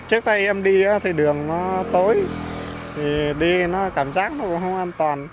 trước đây em đi thì đường nó tối thì đi nó cảm giác nó cũng không an toàn